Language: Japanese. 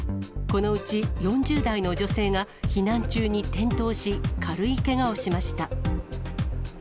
このうち４０代の女性が、避難中に転倒し、軽いけがをしました。